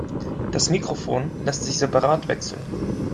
Das Mikrofon lässt sich separat wechseln.